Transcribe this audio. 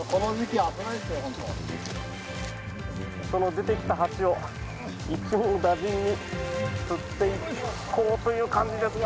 出てきた蜂を一網打尽に吸っていこうという感じですが。